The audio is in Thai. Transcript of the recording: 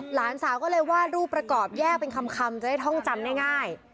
หลานสาวก็เลยวาดรูปประกอบแยกเป็นคำจะได้ท่องจำง่าย